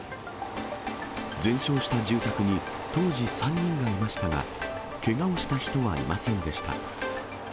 全焼した住宅に当時３人がいましたが、けがをした人はいませんでした。